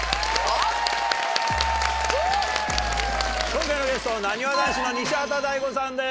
今回のゲストなにわ男子の西畑大吾さんです！